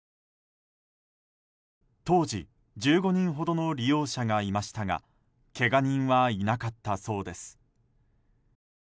当時、１５人ほどの利用者がいましたがけが人はいなかったそうです。